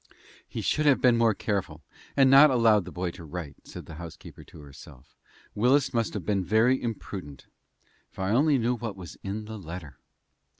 "He should have been more careful, and not allowed the boy to write," said the housekeeper to herself. "Willis must have been very imprudent. If I only knew what was in the letter!"